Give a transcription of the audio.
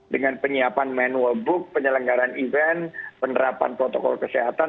dengan penyiapan manual book penyelenggaran event penerapan protokol kesehatan